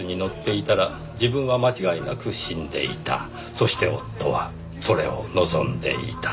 そして夫はそれを望んでいた。